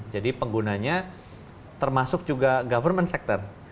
jadi penggunanya termasuk juga government sector